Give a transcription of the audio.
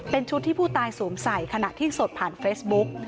เป็นชุดที่ผู้ตายสวมใส่ขณะที่สดผ่านเฟซบุ๊ก